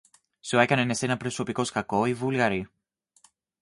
Σου έκαναν εσένα προσωπικώς κακό οι Βούλγαροι;